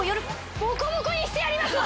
ボコボコにしてやりますわ。